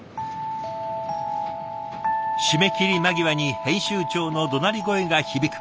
締め切り間際に編集長のどなり声が響く。